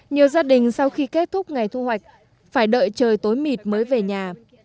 nhiều gia đình sau khi kết thúc ngày thu hoạch phải đợi trời tối mịt mới về nhà